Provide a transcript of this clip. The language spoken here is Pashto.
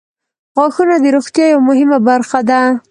• غاښونه د روغتیا یوه مهمه برخه ده.